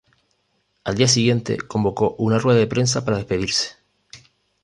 Al día siguiente, convocó una rueda de prensa para despedirse.